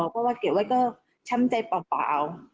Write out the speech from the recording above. เพราะว่าเก็บไว้ก็ช้ำใจเปล่า